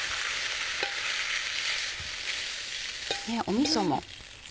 みそも。